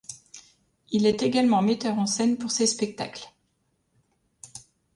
Il est également metteur en scène pour ses spectacles.